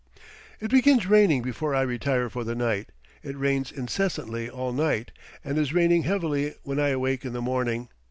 It begins raining before I retire for the night; it rains incessantly all night, and is raining heavily when I awake in the morning.